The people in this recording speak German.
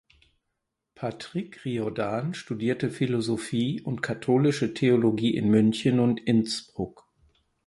Patrick Riordan studierte Philosophie und Katholische Theologie in München und Innsbruck.